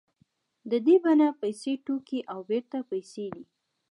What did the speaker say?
د دې بڼه پیسې توکي او بېرته پیسې دي